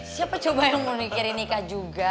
siapa coba yang mau mikirin nikah juga